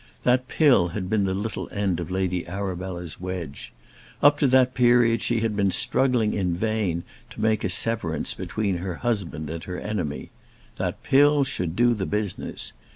That pill had been the little end of Lady Arabella's wedge. Up to that period she had been struggling in vain to make a severance between her husband and her enemy. That pill should do the business.